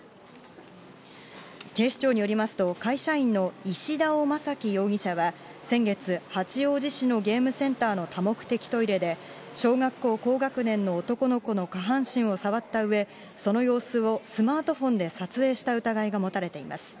警視庁によりますと、会社員の石田尾まさき容疑者は、先月、八王子市のゲームセンターの多目的トイレで、小学校高学年の男の子の下半身を触ったうえ、その様子をスマートフォンで撮影した疑いが持たれています。